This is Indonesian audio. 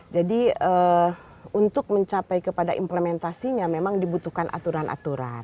jadi untuk mencapai kepada implementasinya memang dibutuhkan aturan aturan